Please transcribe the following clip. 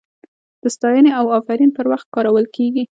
د ستاینې او افرین پر وخت کارول کیږي.